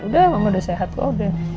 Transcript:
udah emang udah sehat kok udah